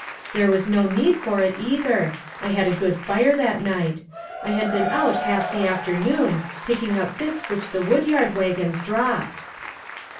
There was no need for it, either. I had a good fire that night. I had been out half the afternoon picking up bits which the woodyard wagons dropped."